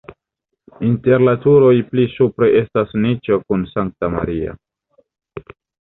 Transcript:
Inter la turoj pli supre estas niĉo kun Sankta Maria.